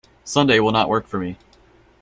Sunday will not work for me.